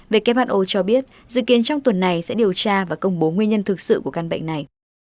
who cho biết dự kiến trong tuần này sẽ điều tra và công bố nguyên nhân thực sự của căn bệnh này